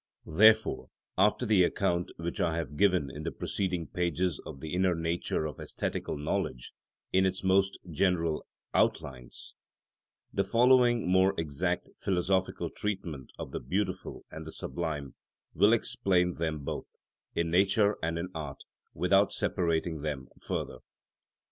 Therefore, after the account which I have given in the preceding pages of the inner nature of æsthetical knowledge in its most general outlines, the following more exact philosophical treatment of the beautiful and the sublime will explain them both, in nature and in art, without separating them further.